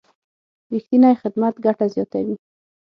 رښتینی خدمت ګټه زیاتوي.